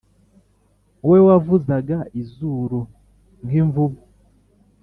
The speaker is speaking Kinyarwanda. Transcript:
We wavuzaga izuru nk’imvubu